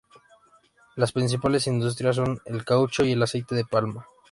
Las principales industrias son el caucho y el aceite de palma.